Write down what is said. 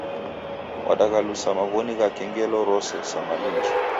Wadaghalusa maw'oni ghake ngelo rose sa malunji